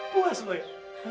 puas lo ya